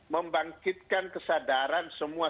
membangkitkan kesadaran semua